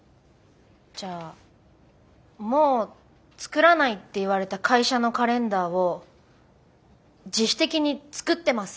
じゃあもう作らないって言われた会社のカレンダーを自主的に作ってます。